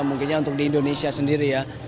mungkinnya untuk di indonesia sendiri ya